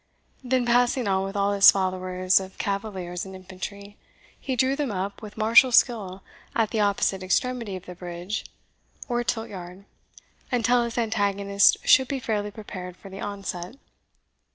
Then passing on with all his followers of cavaliers and infantry, he drew them up with martial skill at the opposite extremity of the bridge, or tilt yard, until his antagonist should be fairly prepared for the onset.